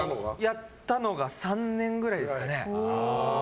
やったのが３年くらいですね。